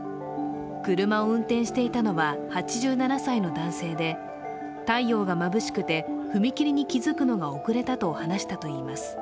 車を運転していたのは８７歳の男性で太陽がまぶしくて踏切に気づくのが遅れたと話しています。